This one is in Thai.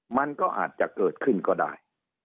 มันก็อาจจะเกิดขึ้นก็ได้